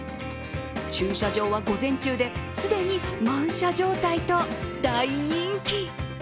駐車場は午前中で既に満車状態と大人気。